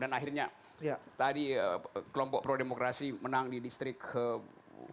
dan akhirnya tadi kelompok pro demokrasi menang di distrik kuhp